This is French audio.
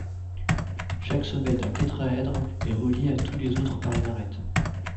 Chaque sommet d'un tétraèdre est relié à tous les autres par une arête.